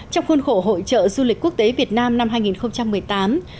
trong khuôn khổ hội trợ du lịch quốc tế việt nam năm hai nghìn một mươi tám